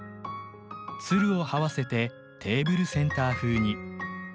ツルを這わせてテーブルセンター風に。